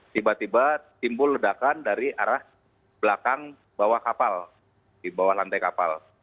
tiba tiba timbul ledakan dari arah belakang bawah kapal di bawah lantai kapal